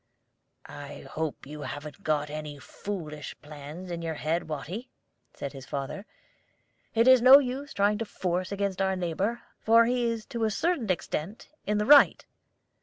"I hope you haven't got any foolish plans in your head, Watty," said his father. "It is of no use trying force against our neighbor, for he is to a certain extent in the right."